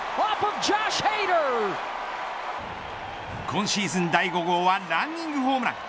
今シーズン第５号はランニングホームラン。